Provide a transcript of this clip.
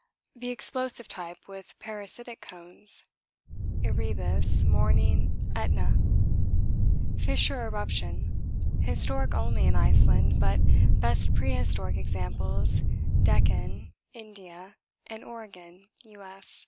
The explosive type with parasitic cones Erebus, Morning, Etna. Fissure eruption historic only in Iceland, but best prehistoric examples Deccan (India) and Oregon (U.S.).